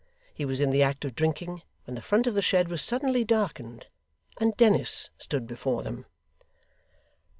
He was in the act of drinking, when the front of the shed was suddenly darkened, and Dennis stood before them.